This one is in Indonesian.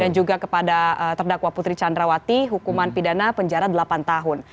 dan juga kepada terdakwa putri candrawati hukuman pidana penjara delapan tahun